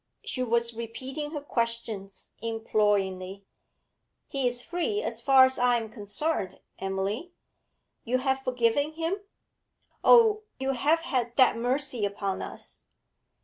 She was repeating her questions imploringly. 'He is free, as far as I am concerned, Emily.' 'You have forgiven him? Oh, you have had that mercy upon us?'